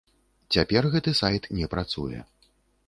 Цяпер гэты сайт не працуе.